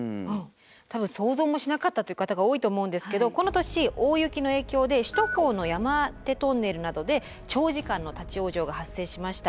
多分想像もしなかったという方が多いと思うんですけどこの年大雪の影響で首都高の山手トンネルなどで長時間の立往生が発生しました。